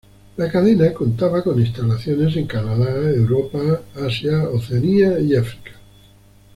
La cadena contaba con instalaciones en Canadá, Europa, Asia, Oceanía y África.